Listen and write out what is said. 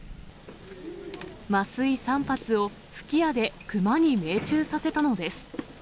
麻酔３発を、吹き矢で熊に命中させたのです。